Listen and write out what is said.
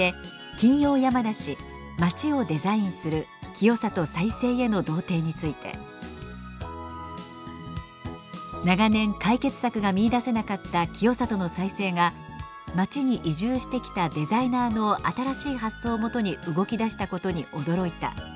金曜やまなし「街をデザインする清里再生への道程」について「長年解決策が見いだせなかった清里の再生が街に移住してきたデザイナーの新しい発想をもとに動き出したことに驚いた」